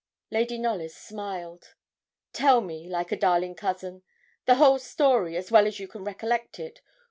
Lady Knollys smiled. 'Tell me, like a darling cousin, the whole story as well as you can recollect it.